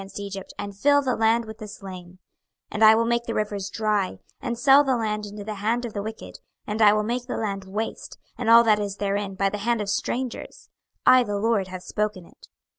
26:030:012 And I will make the rivers dry, and sell the land into the hand of the wicked: and I will make the land waste, and all that is therein, by the hand of strangers: I the LORD have spoken it.